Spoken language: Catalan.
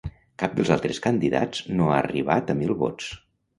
Cap dels altres candidats no ha arribat a mil vots.